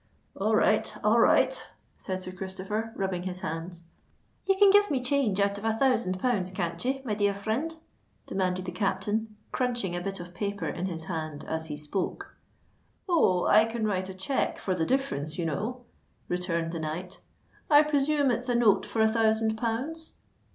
"All right—all right," said Sir Christopher, rubbing his hands. "Ye can give me change out of a thousand pounds, can't ye, my dear frind?" demanded the captain, crunching a bit of paper in his hand as he spoke. "Oh! I can write a cheque for the difference, you know," returned the knight. "I presume it's a note for a thousand pounds?"